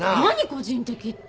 個人的って。